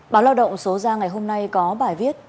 báo lao động số ra ngày hôm nay có bài viết